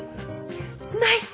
ナイス！